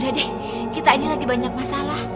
udah deh kita ini lagi banyak masalah